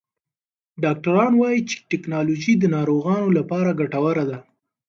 ډاکټران وایې چې ټکنالوژي د ناروغانو لپاره ګټوره ده.